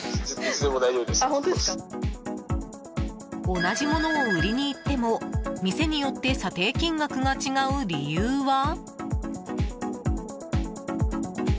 同じものを売りに行っても店によって査定金額が違う理由は？